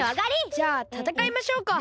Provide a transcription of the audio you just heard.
じゃあたたかいましょうか。